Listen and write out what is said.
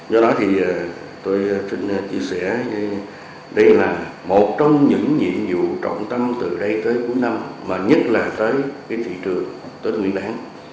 do đó thì tôi xin chia sẻ đây là một trong những nhiệm vụ trọng tâm từ đây tới cuối năm mà nhất là tới cái thị trường tết nguyên đáng